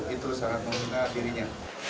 itu sangat menggunakan dirinya